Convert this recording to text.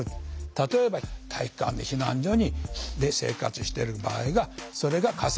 例えば体育館で避難所で生活してる場合がそれが仮設住宅に移っていく。